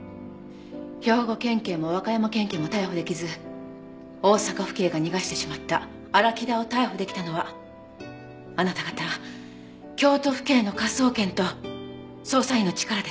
兵庫県警も和歌山県警も逮捕できず大阪府警が逃がしてしまった荒木田を逮捕できたのはあなた方京都府警の科捜研と捜査員の力です。